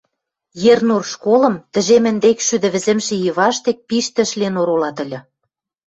Ернур школым тӹжем ӹндекшшӱдӹ вӹзӹмшӹ и паштек пиш тӹшлен оролат ыльы.